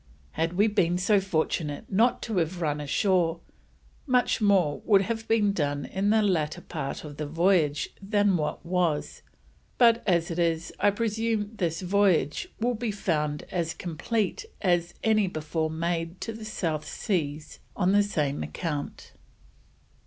Had we been so fortunate not to have run ashore, much more would have been done in the latter part of the Voyage than what was, but as it is, I presume this Voyage will be found as compleat as any before made to the South Seas on the same account.